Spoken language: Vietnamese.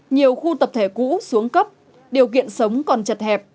nhiều khu tập thể cũ xuống cấp điều kiện sống còn chật hẹp